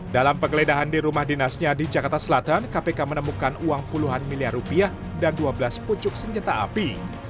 dalam penggeledahan di rumah dinasnya di jakarta selatan kpk menemukan uang puluhan miliar rupiah dan dua belas pucuk senjata api